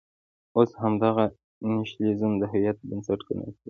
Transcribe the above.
اوس همدغه نېشنلېزم د هویت بنسټ ګڼل کېږي.